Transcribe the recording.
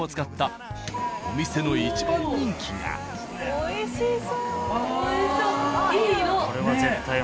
おいしそう。